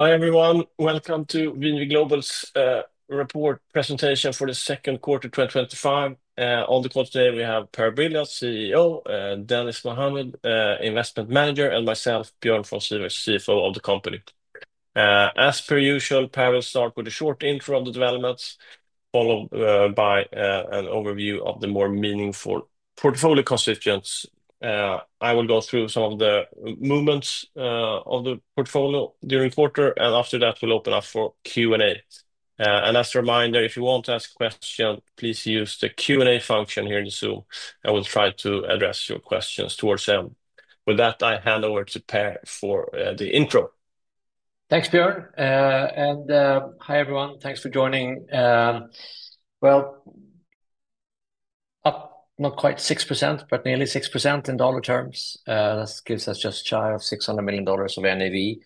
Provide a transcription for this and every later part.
Hi everyone, welcome to VNV Global's report presentation for the second quarter 2025. On the call today we have Per Brilioth, CEO, Dennis Mohammad, Investment Manager, and myself, Björn von Sivers, CFO of the company. As per usual, Per will start with a short intro of the developments, followed by an overview of the more meaningful portfolio constituents. I will go through some of the movements of the portfolio during the quarter, and after that we'll open up for Q&A. As a reminder, if you want to ask a question, please use the Q&A function here in the Zoom, and we'll try to address your questions towards the end. With that, I hand over to Per for the intro. Thanks, Björn. Hi everyone, thanks for joining. Up not quite 6%, but nearly 6% in dollar terms. That gives us just shy of $600 million of NAV.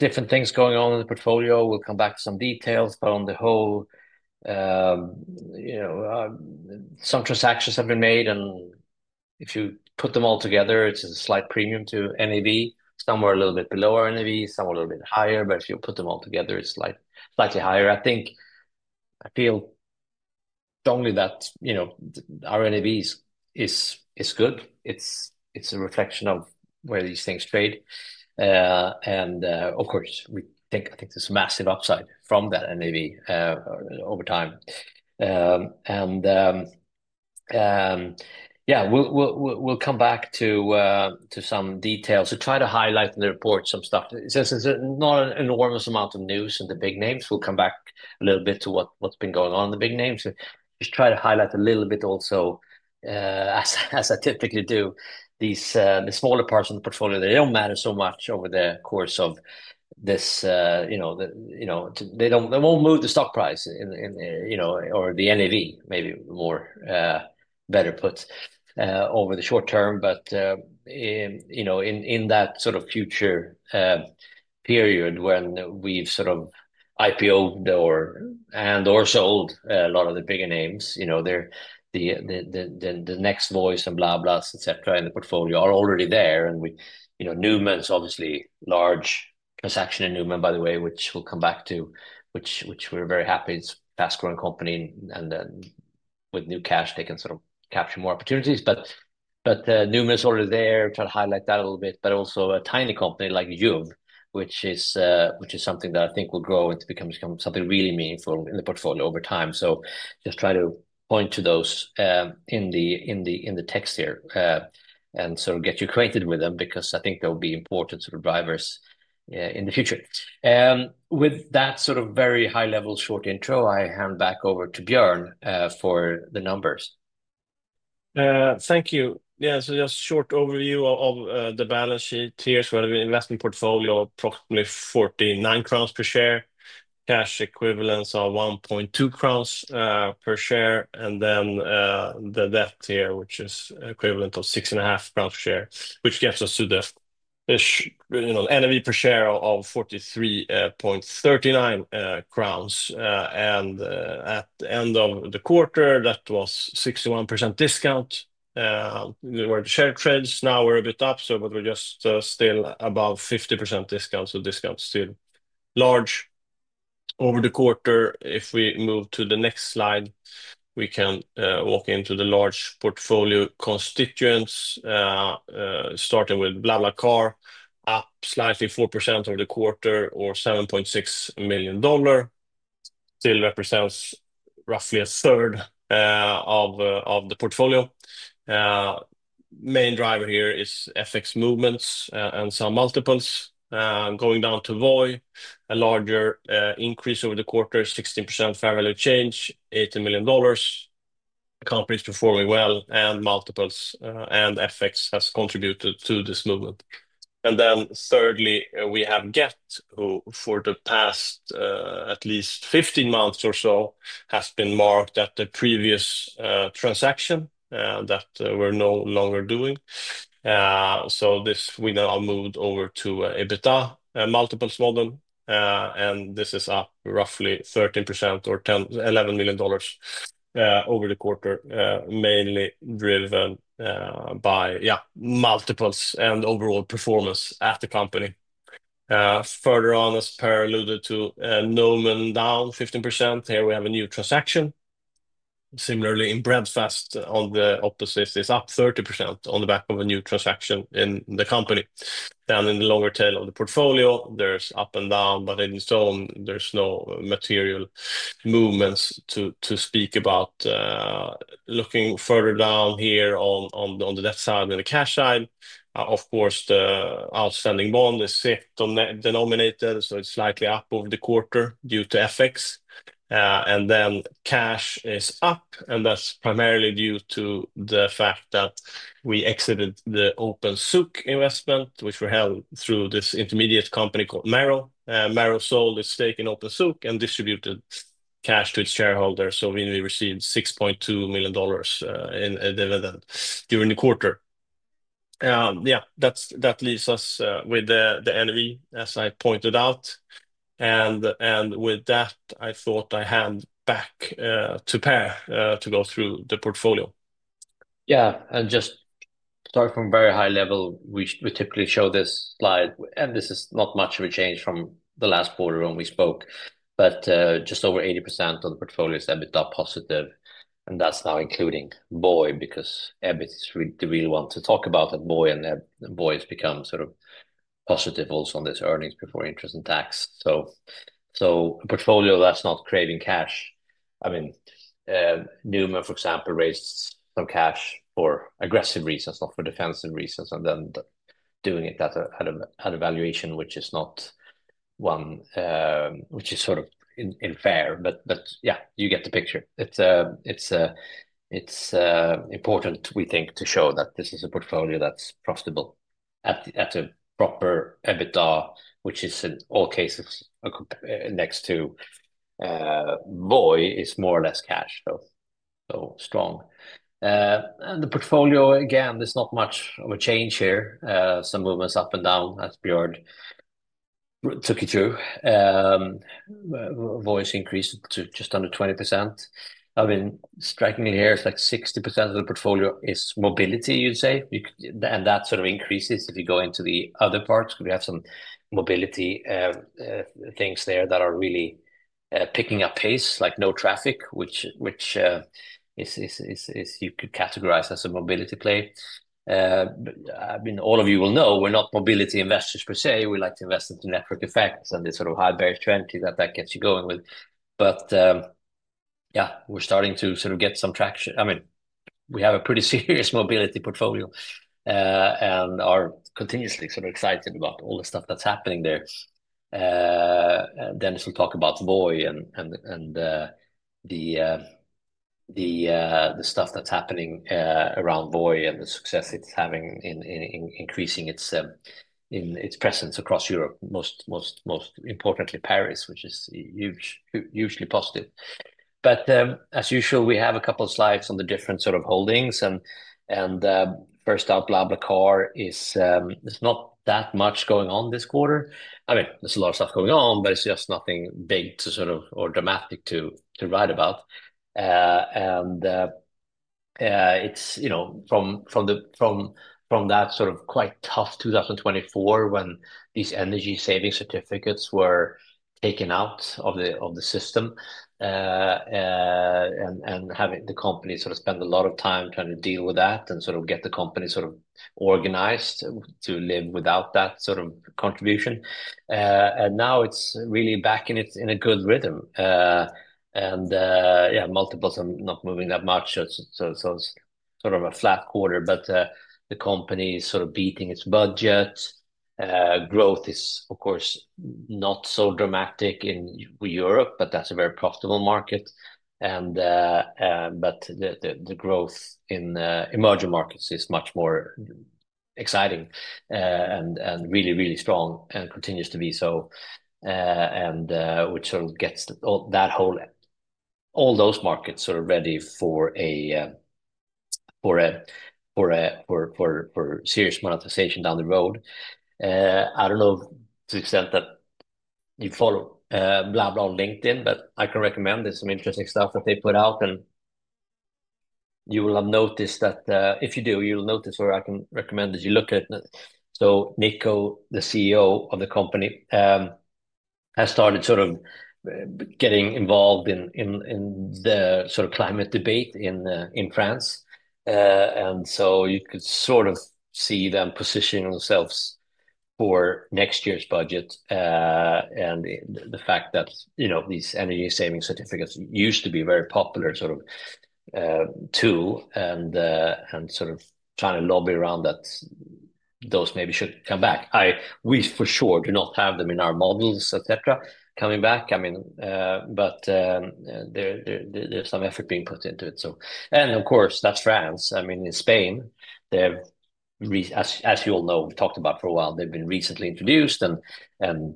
Different things going on in the portfolio. We'll come back to some details, but on the whole, you know, some transactions have been made, and if you put them all together, it's a slight premium to NAV. Some are a little bit below our NAV, some are a little bit higher, but if you put them all together, it's slightly higher. I think, I feel strongly that, you know, our NAV is good. It's a reflection of where these things trade. Of course, we think, I think there's a massive upside from that NAV over time. We'll come back to some details. We'll try to highlight in the report some stuff. It's not an enormous amount of news in the big names. We'll come back a little bit to what's been going on in the big names. We'll try to highlight a little bit also, as I typically do, the smaller parts of the portfolio. They don't matter so much over the course of this, you know, they won't move the stock price or the NAV, maybe more, better put, over the short term. In that sort of future period when we've sort of IPO'd or and or sold a lot of the bigger names, you know, the next Voi's and BlaBlaCar's, et cetera, in the portfolio are already there. We, you know, Numan is obviously a large transaction in Numan, by the way, which we'll come back to, which we're very happy. It's a fast-growing company, and then with new cash, they can sort of capture more opportunities. Numan is already there, try to highlight that a little bit, but also a tiny company like Juv, which is something that I think will grow and become something really meaningful in the portfolio over time. Just try to point to those in the text here, and sort of get you acquainted with them because I think they'll be important drivers in the future. With that sort of very high-level short intro, I hand back over to Björn for the numbers. Thank you. Yeah, so just a short overview of the balance sheet here as well. The investment portfolio is approximately 49 crowns per share, cash equivalents of 1.2 crowns per share, and then the debt here, which is equivalent of 6.5 crowns per share, which gives us a debt-ish, you know, NAV per share of 43.39 crowns. At the end of the quarter, that was a 61% discount, where the share trades. Now we're a bit up, so we're just still above a 50% discount, so the discount is still large. Over the quarter, if we move to the next slide, we can walk into the large portfolio constituents, starting with BlaBlaCar, up slightly 4% over the quarter or $7.6 million. Still represents roughly a third of the portfolio. Main driver here is FX movements and some multiples. Going down to Voi, a larger increase over the quarter, 16% fair value change, $80 million. The company is performing well, and multiples and FX has contributed to this movement. Thirdly, we have Gett, who for the past at least 15 months or so has been marked at the previous transaction that we're no longer doing. We now moved over to EBITDA multiples model, and this is up roughly 13% or $11 million over the quarter, mainly driven by multiples and overall performance at the company. Further on, as Per alluded to, Numan down 15%. Here we have a new transaction. Similarly, in Breadfast, on the opposite, it's up 30% on the back of a new transaction in the company. In the longer tail of the portfolio, there's up and down, but in its own, there's no material movements to speak about. Looking further down here on the debt side and the cash side, of course, the outstanding bond is SEK denominated, so it's slightly up over the quarter due to FX. Cash is up, and that's primarily due to the fact that we exited the Opensooq investment, which we held through this intermediate company called Marrow. Marrow sold its stake in Opensooq and distributed cash to its shareholders, so we only received $6.2 million in dividend during the quarter. Yeah, that leaves us with the NAV, as I pointed out. With that, I thought I hand back to Per to go through the portfolio. Yeah, and just start from a very high level. We typically show this slide, and this is not much of a change from the last quarter when we spoke, but just over 80% of the portfolio is EBITDA positive, and that's now including Voi, because EBITDA is the real one to talk about at Voi, and Voi has become sort of positive also on this earnings before interest and tax. A portfolio that's not creating cash. I mean, Numan, for example, raised some cash for aggressive reasons, not for defensive reasons, and then doing it at a valuation which is not one, which is sort of unfair, but yeah, you get the picture. It's important, we think, to show that this is a portfolio that's profitable at a proper EBITDA, which is in all cases next to, Voi is more or less cash, though, so strong. The portfolio, again, there's not much of a change here. Some movements up and down, as Björn took you through. Voi's increase to just under 20%. I mean, strikingly here, it's like 60% of the portfolio is mobility, you'd say, and that sort of increases if you go into the other parts because we have some mobility things there that are really picking up pace, like no traffic, which you could categorize as a mobility play. I mean, all of you will know we're not mobility investors per se. We like to invest in the network effects and the sort of high bearish trend that that gets you going with. Yeah, we're starting to sort of get some traction. I mean, we have a pretty serious mobility portfolio, and are continuously sort of excited about all the stuff that's happening there. Dennis will talk about Voi and the stuff that's happening around Voi and the success it's having in increasing its presence across Europe, most importantly Paris, which is hugely positive. As usual, we have a couple of slides on the different holdings, and first up, BlaBlaCar is, there's not that much going on this quarter. I mean, there's a lot of stuff going on, but it's just nothing big to write about. It's, you know, from that sort of quite tough 2024 when these energy savings certificates were taken out of the system, and having the company spend a lot of time trying to deal with that and sort of get the company organized to live without that sort of contribution. Now it's really back in a good rhythm. Multiples are not moving that much, so it's sort of a flat quarter, but the company is beating its budget. Growth is, of course, not so dramatic in Europe, but that's a very profitable market. The growth in emerging markets is much more exciting and really strong and continues to be so, which gets all those markets ready for serious monetization down the road. I don't know to the extent that you follow BlaBlaCar on LinkedIn, but I can recommend there's some interesting stuff that they put out, and you will have noticed that if you do, you'll notice where I can recommend that you look at it. Nico, the CEO of the company, has started getting involved in the climate debate in France. You could see them positioning themselves for next year's budget, and the fact that these energy savings certificates used to be very popular, and trying to lobby around that, those maybe should come back. We for sure do not have them in our models, et cetera, coming back, but there's some effort being put into it. Of course, that's France. In Spain, as you all know, we've talked about for a while, they've been recently introduced and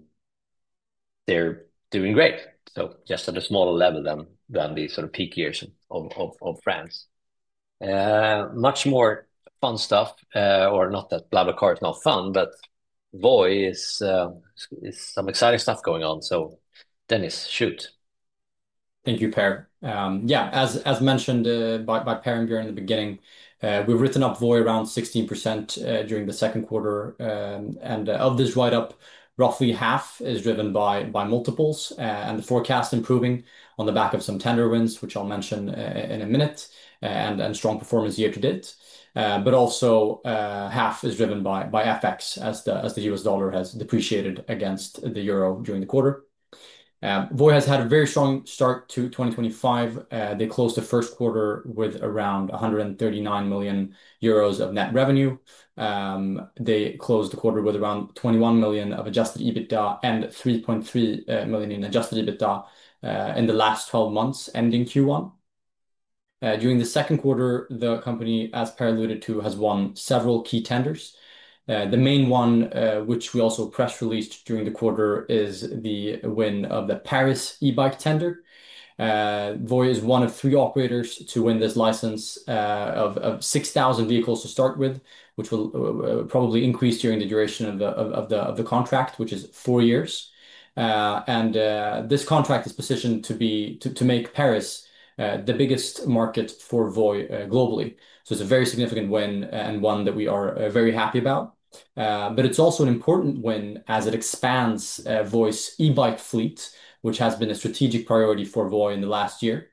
they're doing great, just at a smaller level than the peak years of France. Much more fun stuff, not that BlaBlaCar is not fun, but Voi is some exciting stuff going on. Dennis, shoot. Thank you, Per. As mentioned by Per and Björn in the beginning, we've written up Voi around 16% during the second quarter. Of this write-up, roughly half is driven by multiples and the forecast improving on the back of some tender wins, which I'll mention in a minute, and strong performance year-to-date. Also, half is driven by FX as the U.S. dollar has depreciated against the euro during the quarter. Voi has had a very strong start to 2025. They closed the first quarter with around 139 million euros of net revenue. They closed the quarter with around 21 million of adjusted EBITDA and 3.3 million in adjusted EBITDA in the last 12 months ending Q1. During the second quarter, the company, as Per alluded to, has won several key tenders. The main one, which we also press released during the quarter, is the win of the Paris e-bike tender. Voi is one of three operators to win this license, of 6,000 vehicles to start with, which will probably increase during the duration of the contract, which is four years. This contract is positioned to make Paris the biggest market for Voi globally. It's a very significant win and one that we are very happy about. It's also an important win as it expands Voi's e-bike fleet, which has been a strategic priority for Voi in the last year.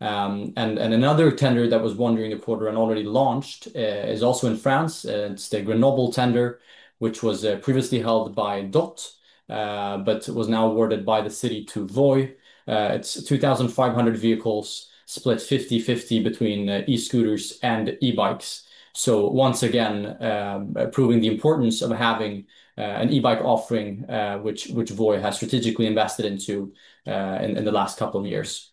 Another tender that was won during the quarter and already launched is also in France. It's the Grenoble tender, which was previously held by DOT, but was now awarded by the city to Voi. It's 2,500 vehicles split 50/50 between e-scooters and e-bikes. Once again, proving the importance of having an e-bike offering, which Voi has strategically invested into in the last couple of years.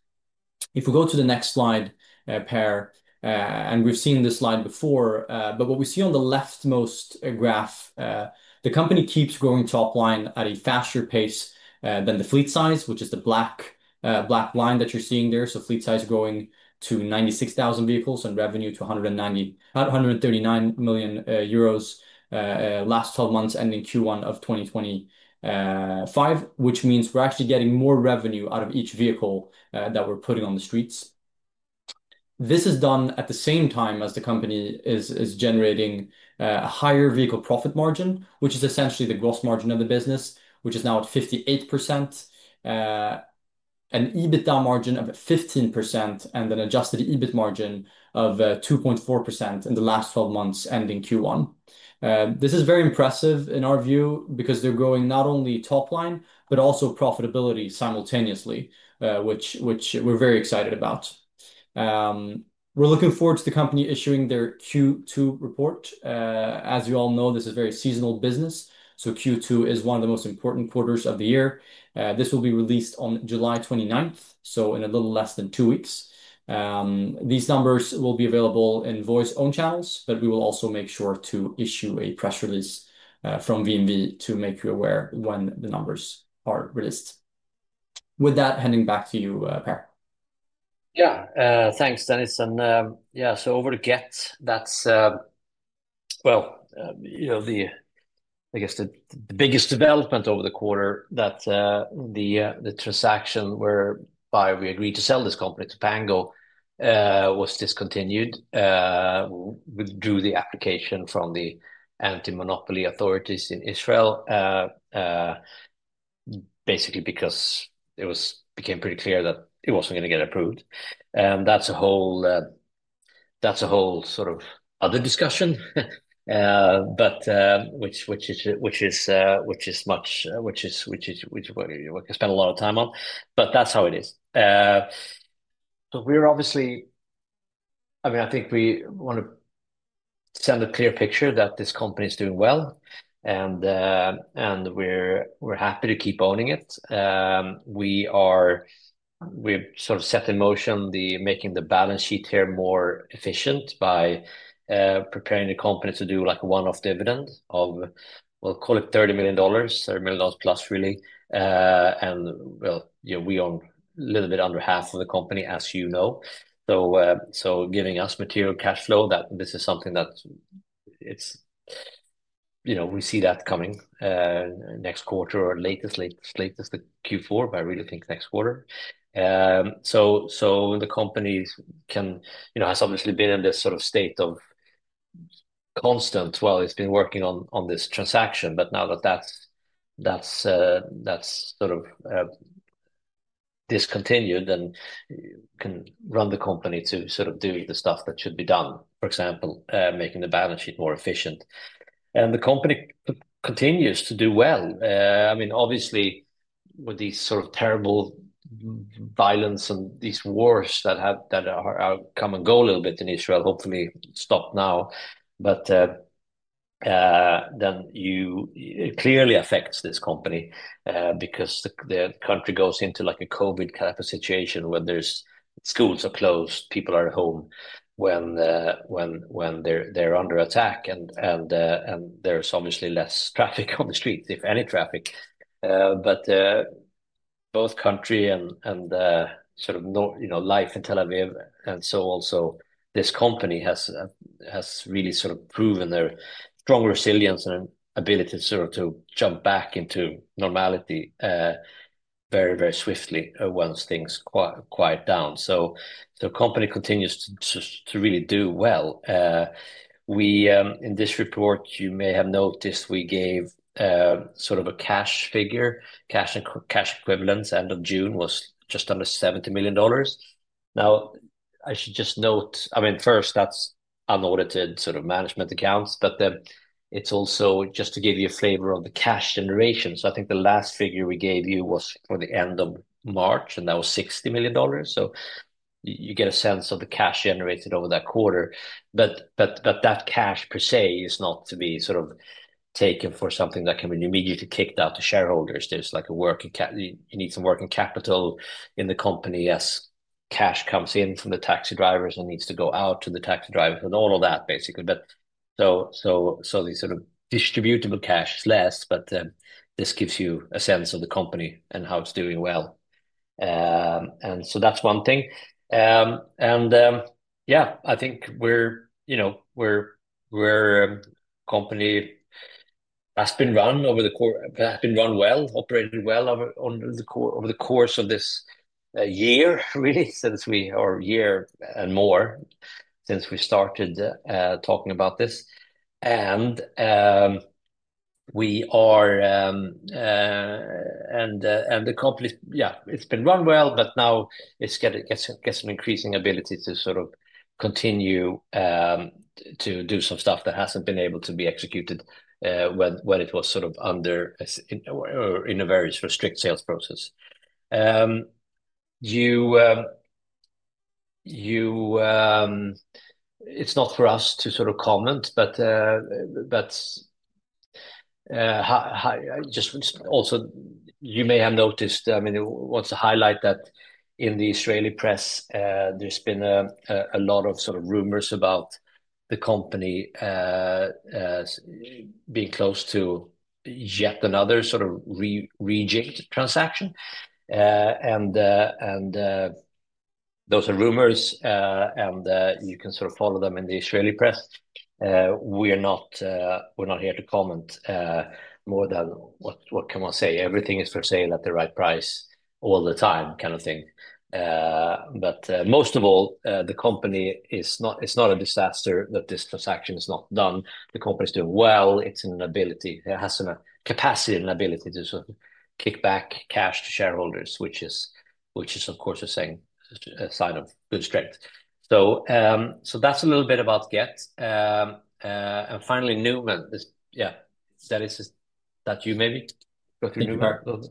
If we go to the next slide, Per, and we've seen this slide before, what we see on the leftmost graph, the company keeps growing top line at a faster pace than the fleet size, which is the black line that you're seeing there. Fleet size growing to 96,000 vehicles and revenue to 139 million euros, last 12 months ending Q1 of 2025, which means we're actually getting more revenue out of each vehicle that we're putting on the streets. This is done at the same time as the company is generating a higher vehicle profit margin, which is essentially the gross margin of the business, which is now at 58%, an EBITDA margin of 15%, and an adjusted EBIT margin of 2.4% in the last 12 months ending Q1. This is very impressive in our view because they're growing not only top line, but also profitability simultaneously, which we're very excited about. We're looking forward to the company issuing their Q2 report. As you all know, this is a very seasonal business, so Q2 is one of the most important quarters of the year. This will be released on July 29, so in a little less than two weeks. These numbers will be available in Voi's own channels, but we will also make sure to issue a press release from VNV Global to make you aware when the numbers are released. With that, handing back to you, Per. Yeah, thanks, Dennis. Over to Gett, that's, I guess the biggest development over the quarter, that the transaction whereby we agreed to sell this company to Pango was discontinued. We withdrew the application from the anti-monopoly authorities in Israel, basically because it became pretty clear that it wasn't going to get approved. That's a whole sort of other discussion, which we can spend a lot of time on, but that's how it is. We're obviously, I mean, I think we want to send a clear picture that this company is doing well, and we're happy to keep owning it. We've set in motion making the balance sheet here more efficient by preparing the company to do a one-off dividend of, we'll call it $30 million, $30 million plus, really. We own a little bit under half of the company, as you know, so giving us material cash flow. This is something that we see coming next quarter or latest, latest Q4, but I really think next quarter. The company has obviously been in this sort of state of constant while it's been working on this transaction, but now that that's discontinued, you can run the company to do the stuff that should be done, for example, making the balance sheet more efficient. The company continues to do well. Obviously, with these sort of terrible violence and these wars that come and go a little bit in Israel, hopefully stopped now, but they clearly affect this company because the country goes into a COVID kind of a situation when their schools are closed, people are at home, when they're under attack, and there's obviously less traffic on the streets, if any traffic. Both country and life in Tel Aviv, and so also this company, has really proven their strong resilience and ability to jump back into normality very, very swiftly when things quiet down. The company continues to really do well. In this report, you may have noticed we gave a cash figure, cash and cash equivalents. End of June was just under $70 million. I should just note, first, that's unaudited management accounts, but then it's also just to give you a flavor of the cash generation. I think the last figure we gave you was for the end of March, and that was $60 million. You get a sense of the cash generated over that quarter. That cash per se is not to be sort of taken for something that can be immediately kicked out to shareholders. There's a working cap. You need some working capital in the company as cash comes in from the taxi drivers and needs to go out to the taxi drivers and all of that, basically. The sort of distributable cash is less, but this gives you a sense of the company and how it's doing well. That's one thing. I think we're a company that's been run over the course, has been run well, operated well over the course of this year, really, since we, or year and more since we started talking about this. The company, yeah, it's been run well, but now it's getting an increasing ability to continue to do some stuff that hasn't been able to be executed when it was in a very strict sales process. It's not for us to comment, but I just also, you may have noticed, I want to highlight that in the Israeli press, there's been a lot of rumors about the company being close to yet another sort of re-regent transaction. Those are rumors, and you can sort of follow them in the Israeli press. We're not here to comment, more than what can one say? Everything is for sale at the right price all the time, kind of thing. Most of all, the company is not a disaster that this transaction is not done. The company is doing well. It has a capacity and an ability to sort of kick back cash to shareholders, which is, of course, a sign of good strength. That's a little bit about Gett. Finally, Numan, yeah, Dennis, that you may be looking for.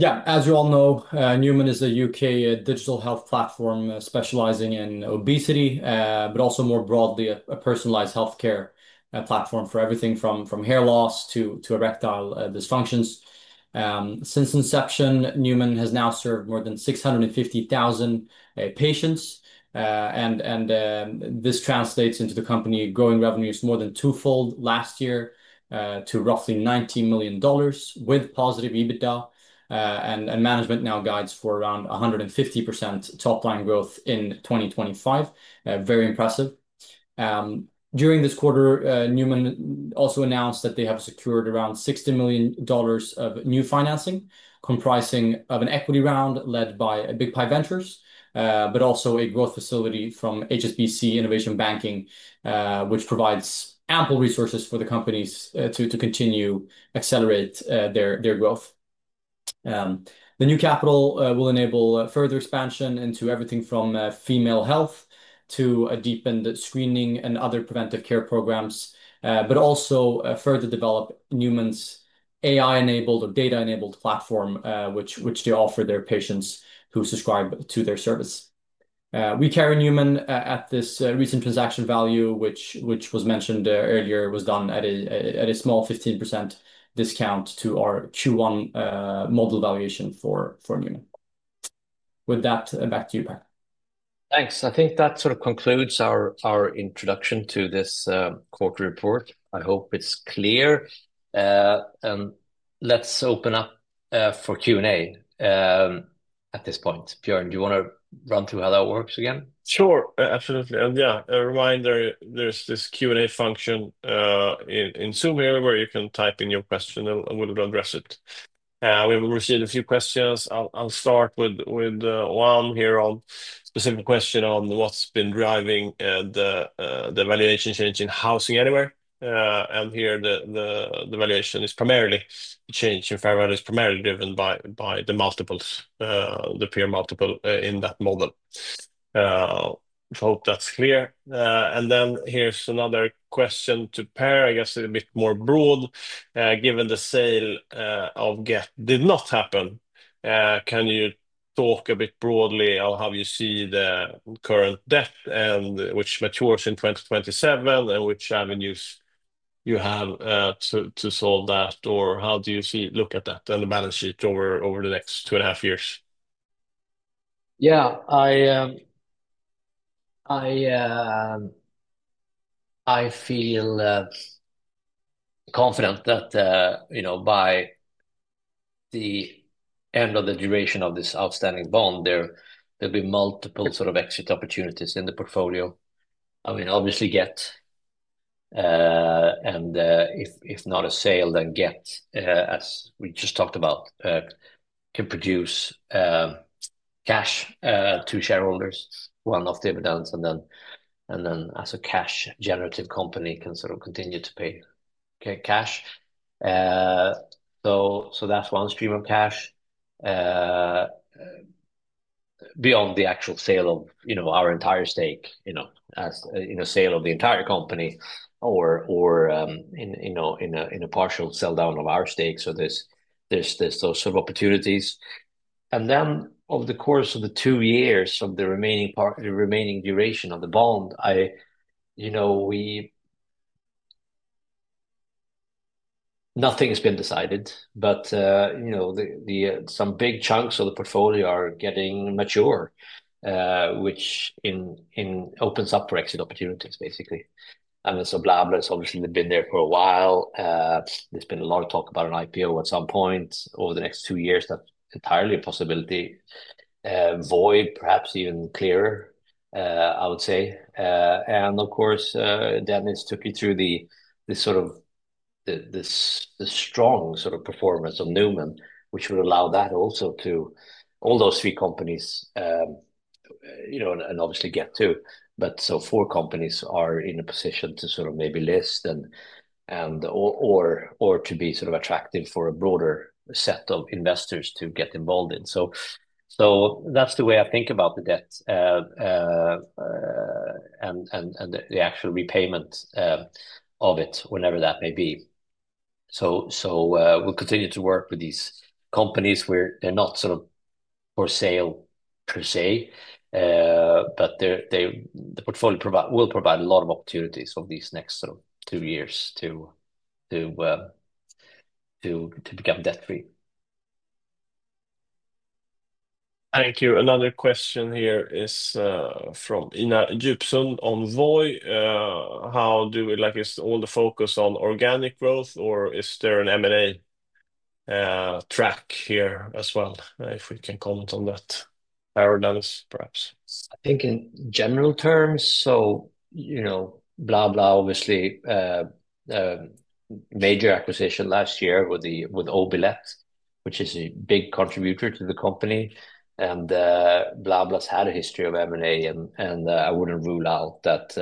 Yeah, as you all know, Numan is a U.K. digital health platform specializing in obesity, but also more broadly a personalized healthcare platform for everything from hair loss to erectile dysfunctions. Since inception, Numan has now served more than 650,000 patients, and this translates into the company growing revenues more than twofold last year, to roughly $19 million with positive EBITDA, and management now guides for around 150% top line growth in 2025. Very impressive. During this quarter, Numan also announced that they have secured around $60 million of new financing, comprising of an equity round led by Big Pi Ventures, but also a growth facility from HSBC Innovation Banking, which provides ample resources for the company to continue to accelerate their growth. The new capital will enable further expansion into everything from female health to a deepened screening and other preventive care programs, but also further develop Numan's AI-enabled or data-enabled platform, which they offer their patients who subscribe to their service. We carry Numan at this recent transaction value, which was mentioned earlier, was done at a small 15% discount to our Q1 model valuation for Numan. With that, back to you, Per. Thanks. I think that sort of concludes our introduction to this quarter report. I hope it's clear. Let's open up for Q&A at this point. Björn, do you want to run through how that works again? Sure, absolutely. A reminder, there's this Q&A function in Zoom here where you can type in your question and we'll address it. We've received a few questions. I'll start with one here on the simple question on what's been driving the valuation change in Housing Anywhere. Here the valuation is primarily, the change in fair value is primarily driven by the multiples, the peer multiple in that moment. I hope that's clear. Here's another question to Per, I guess a bit more broad. Given the sale of Gett did not happen, can you talk a bit broadly on how you see the current debt and which matures in 2027 and which avenues you have to solve that, or how do you see, look at that and the balance sheet over the next two and a half years? Yeah, I feel confident that, you know, by the end of the duration of this outstanding bond, there'll be multiple sort of exit opportunities in the portfolio. I mean, obviously Gett, and if not a sale, then Gett, as we just talked about, can produce cash to shareholders, one-off dividends, and then as a cash-generative company can sort of continue to pay cash. That's one stream of cash. Beyond the actual sale of, you know, our entire stake, as in a sale of the entire company or in a partial sell-down of our stake, there's those sort of opportunities. Over the course of the two years of the remaining duration of the bond, nothing has been decided, but some big chunks of the portfolio are getting mature, which opens up for exit opportunities, basically. BlaBlaCar has obviously been there for a while. There's been a lot of talk about an IPO at some point over the next two years. That's entirely a possibility. Voi, perhaps even clearer, I would say. Of course, Dennis Mohammad took you through the strong sort of performance of Numan, which would allow that also to all those three companies, and obviously Gett too. Four companies are in a position to sort of maybe list and, or to be sort of attractive for a broader set of investors to get involved in. That's the way I think about the debt, and the actual repayment of it, whenever that may be. We'll continue to work with these companies where they're not sort of for sale per se, but the portfolio will provide a lot of opportunities over these next two years to become debt-free. I think your another question here is from Ina Jupson on Voi. How do we, like, is all the focus on organic growth or is there an M&A track here as well? If we can comment on that paradigms, perhaps. I think in general terms, you know, BlaBlaCar obviously, major acquisition last year with Obilet, which is a big contributor to the company. BlaBlaCar's had a history of M&A, and I wouldn't rule out that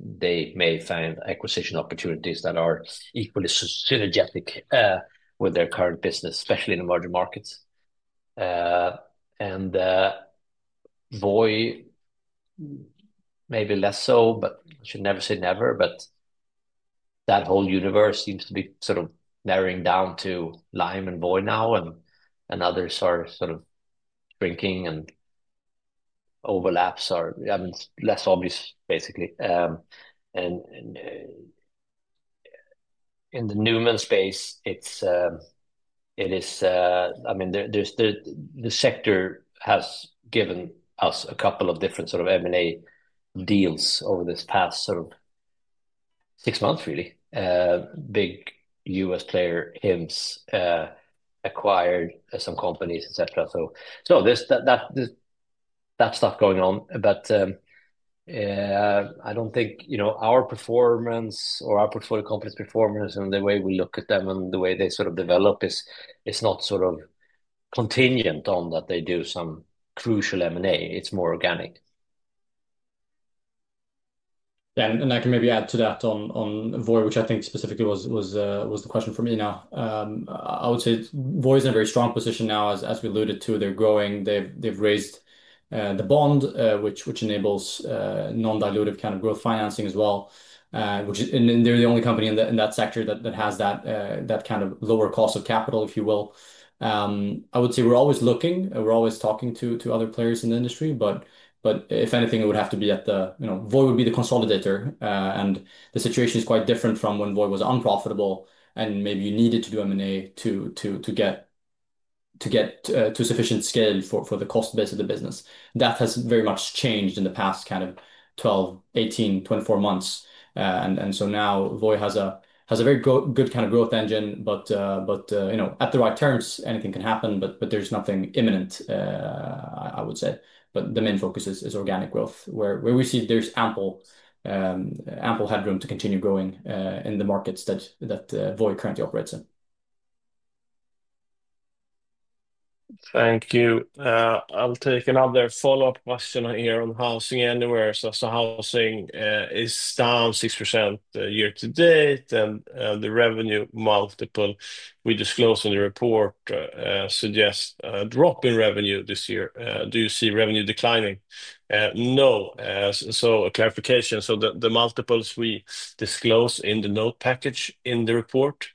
they may find acquisition opportunities that are equally synergetic with their current business, especially in emerging markets. Voi, maybe less so, but I should never say never. That whole universe seems to be sort of narrowing down to Lime and Voi now, and others are sort of shrinking, and overlaps are, I mean, less obvious, basically. In the Numan space, it's, it is, I mean, the sector has given us a couple of different sort of M&A deals over this past six months, really. Big U.S. player, HIMS, acquired some companies, et cetera. No, there's that stuff going on, but I don't think, you know, our performance or our portfolio company's performance and the way we look at them and the way they sort of develop is not sort of contingent on that they do some crucial M&A. It's more organic. I can maybe add to that on Voi, which I think specifically was the question from Ina now. I would say Voi is in a very strong position now, as we alluded to. They're growing. They've raised the bond, which enables non-dilutive kind of growth financing as well, and they're the only company in that sector that has that kind of lower cost of capital, if you will. I would say we're always looking, we're always talking to other players in the industry, but if anything, it would have to be at the, you know, Voi would be the consolidator. The situation is quite different from when Voi was unprofitable and maybe you needed to do M&A to get to sufficient scale for the cost base of the business. That has very much changed in the past 12, 18, 24 months. Now Voi has a very good kind of growth engine, but, you know, at the right terms, anything can happen, but there's nothing imminent, I would say. The main focus is organic growth where we see there's ample headroom to continue growing in the markets that Voi currently operates in. Thank you. I'll take another follow-up question here on housing anywhere. Housing is down 6% year to date, and the revenue multiple we disclosed in the report suggests a drop in revenue this year. Do you see revenue declining? No. A clarification: the multiples we disclose in the note package in the report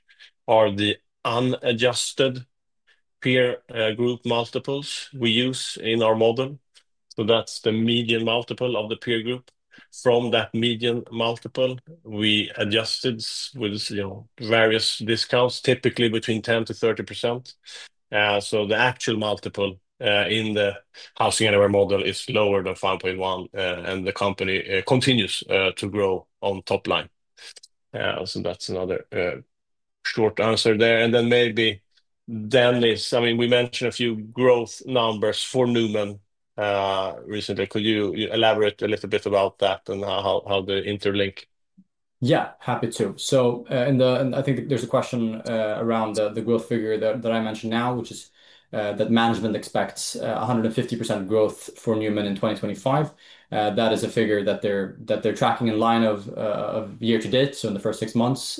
are the unadjusted peer group multiples we use in our model. That's the median multiple of the peer group. From that median multiple, we adjusted with various discounts, typically between 10%-30%. The actual multiple in the housing anywhere model is lower than 5.1, and the company continues to grow on top line. That's another short answer there. Maybe Dennis, I mean, we mentioned a few growth numbers for Numan recently. Could you elaborate a little bit about that and how the interlink? Yeah, happy to. I think there's a question around the growth figure that I mentioned now, which is that management expects 150% growth for Numan in 2025. That is a figure that they're tracking in line of year to date, so in the first six months.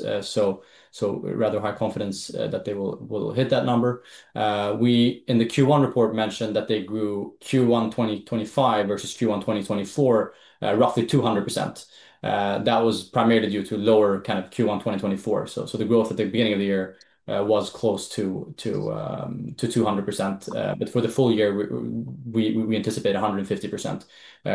There is rather high confidence that they will hit that number. We, in the Q1 report, mentioned that they grew Q1 2025 versus Q1 2024, roughly 200%. That was primarily due to lower kind of Q1 2024. The growth at the beginning of the year was close to 200%, but for the full year, we anticipate 150%.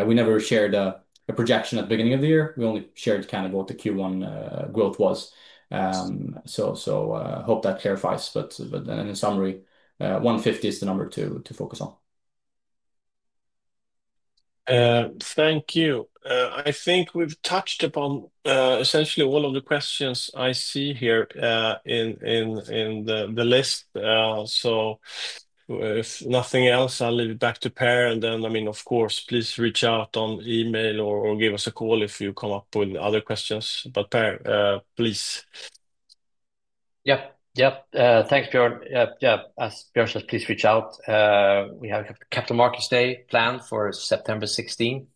We never shared a projection at the beginning of the year. We only shared what the Q1 growth was. Hope that clarifies. In summary, 150 is the number to focus on. Thank you. I think we've touched upon essentially all of the questions I see here in the list. If nothing else, I'll leave it back to Per, and then, I mean, of course, please reach out on email or give us a call if you come up with other questions. But Per, please. Yeah, thanks, Björn. As Björn says, please reach out. We have a Capital Markets Day planned for September 16th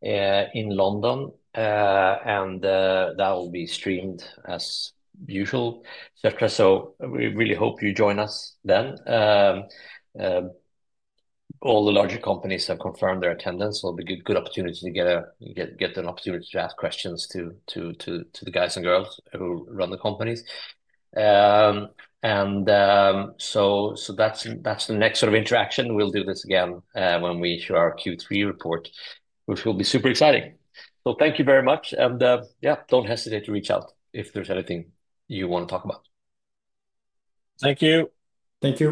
in London, and that will be streamed as usual. We really hope you join us then. All the larger companies have confirmed their attendance. It'll be a good opportunity to get an opportunity to ask questions to the guys and girls who run the companies. That's the next sort of interaction. We'll do this again when we issue our Q3 report, which will be super exciting. Thank you very much. Yeah, don't hesitate to reach out if there's anything you want to talk about. Thank you. Thank you.